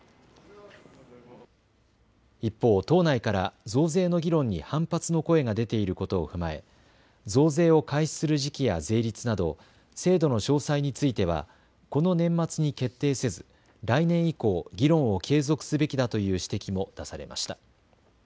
一方、党内から増税の議論に反発の声が出ていることを踏まえ増税を開始する時期や税率など制度の詳細についてはこの年末に決定せず来年以降、議論を継続すべきだという指摘も出されました。